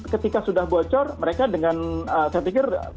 ketika sudah bocor mereka dengan saya pikir